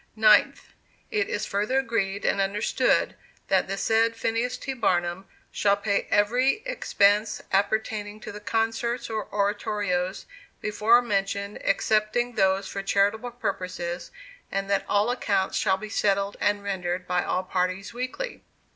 9th. It is further agreed and understood, that the said Phineas T. Barnum shall pay every expense appertaining to the concerts or oratorios before mentioned, excepting those for charitable purposes, and that all accounts shall be settled and rendered by all parties weekly.